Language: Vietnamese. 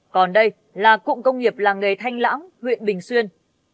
còn đây là cụm công nghiệp làng nghề thanh lãng huyện bình xuyên